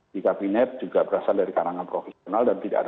di kabinet juga berasal dari kalangan profesional dan tidak ada